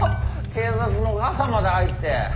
警察のガサまで入って。